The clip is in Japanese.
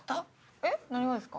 えっ？何がですか？